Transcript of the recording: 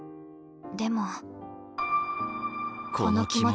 でも。